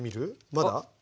まだ？